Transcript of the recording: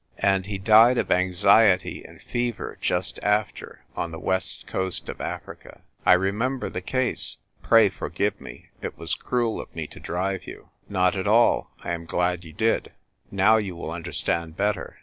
And he died of anxiety and fever just after, on the West Coast of Africa." " I remember the case. Pray forgive me. It was cruel of me to drive you." " Not at all. I am glad you did. Now you will understand better."